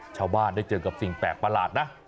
ชาวบ้านได้เจอกับสิ่งแปลกประหลาดนะ